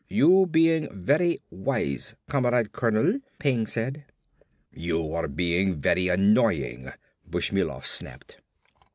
"You being very wise, Comrade Colonel," Peng said. "You are being very annoying," Bushmilov snapped.